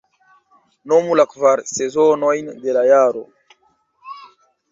Nomu la kvar sezonojn de la jaro.